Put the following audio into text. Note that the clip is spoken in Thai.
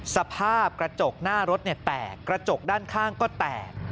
สภาพกระจกหน้ารถแตกกระจกด้านข้างก็แตก